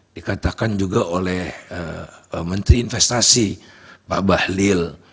dikatakan juga oleh menteri investasi pak bahlil